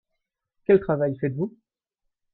Quel travail faites-vous ?